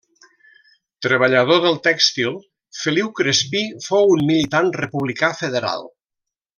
Treballador del tèxtil, Feliu Crespí fou un militant republicà federal.